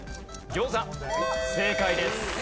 正解です。